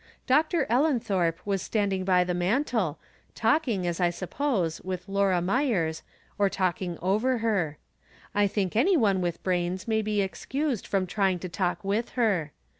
Dr. EUenthorpe was standing by the mantel, talking, as I suppose, with Laura Myers, or talk ing over her. I think anyone with brains may be excused from trying to talk with her.